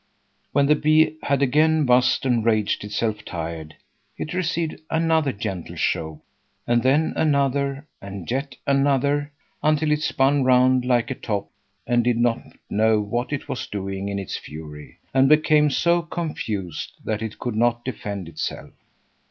When the bee had again buzzed and raged itself tired, it received another gentle shove, and then another and yet another, until it spun round like a top and did not know what it was doing in its fury, and became so confused that it could not defend itself.